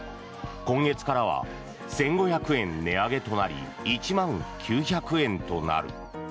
今月からは１５００円値上げとなり１万９００円となる。